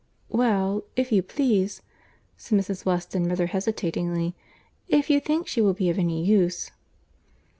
"Well—if you please," said Mrs. Weston rather hesitating, "if you think she will be of any use."